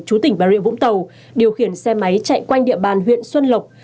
chú tỉnh bà rịa vũng tàu điều khiển xe máy chạy quanh địa bàn huyện xuân lộc